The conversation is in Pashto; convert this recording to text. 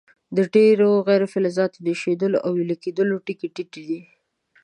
د ډیرو غیر فلزاتو د ایشېدلو او ویلي کیدلو ټکي ټیټ دي.